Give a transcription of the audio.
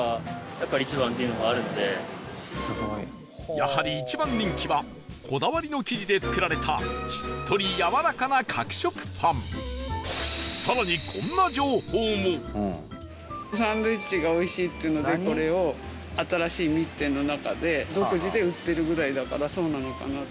やはり、一番人気はこだわりの生地で作られたしっとり、やわらかな角食パンサンドイッチがおいしいっていうのでこれを、新しいミッテンの中で独自で売ってるぐらいだからそうなのかなと。